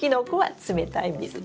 冷たい水。